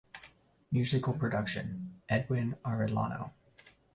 Musical Production: Edwin Arellano.